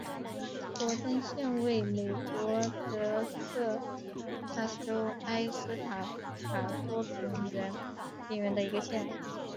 博登县位美国德克萨斯州埃斯塔卡多平原边缘的一个县。